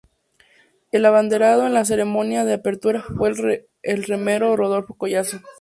El abanderado en la ceremonia de apertura fue el remero Rodolfo Collazo.